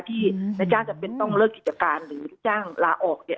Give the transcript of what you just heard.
ที่นายจ้างจำเป็นต้องเลิกกิจการหรือลูกจ้างลาออกเนี่ย